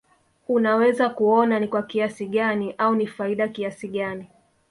unaweza kuona ni kwa kiasi gani au ni faida kiasi gani